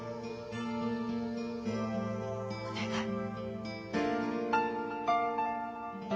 お願い。